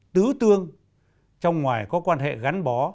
tứ tương trong ngoài có quan hệ gắn bó